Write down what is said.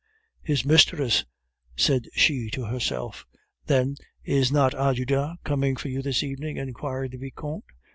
"His mistress," said she to herself. "Then, is not Ajuda coming for you this evening?" inquired the Vicomte.